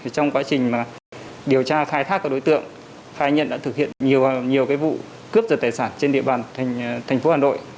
trong quá trình điều tra khai thác các đối tượng khai nhận đã thực hiện nhiều vụ cướp giật tài sản trên địa bàn thành phố hà nội